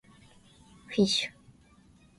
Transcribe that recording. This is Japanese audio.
fish